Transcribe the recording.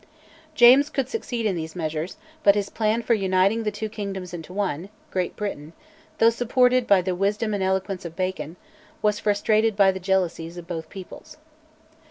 James could succeed in these measures, but his plan for uniting the two kingdoms into one, Great Britain, though supported by the wisdom and eloquence of Bacon, was frustrated by the jealousies of both peoples.